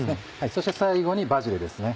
そして最後にバジルですね。